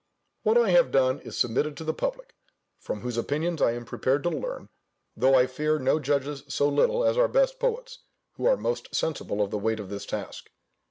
What I have done is submitted to the public; from whose opinions I am prepared to learn; though I fear no judges so little as our best poets, who are most sensible of the weight of this task.